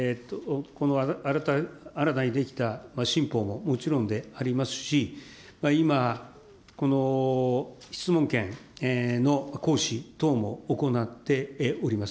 新たに出来た新法ももちろんでありますし、今、この質問権の行使等も行っております。